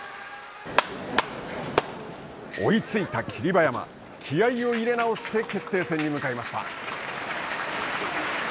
追いついた霧馬山気合いを入れ直して決定戦に向かいました。